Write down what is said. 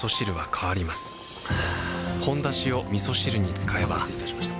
「ほんだし」をみそ汁に使えばお待たせいたしました。